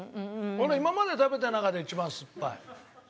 俺今まで食べた中で一番すっぱい。